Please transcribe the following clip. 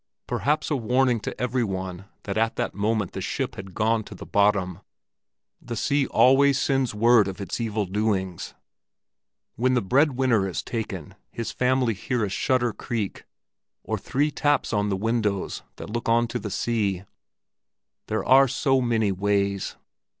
Perhaps a warning to every one that at that moment the ship had gone to the bottom? The sea always sends word of its evil doings; when the bread winner is taken his family hear a shutter creak, or three taps on the windows that look on to the sea—there are so many ways.